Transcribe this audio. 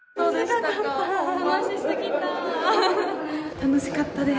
楽しかったです！